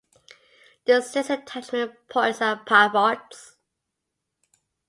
The six attachment points are pivots.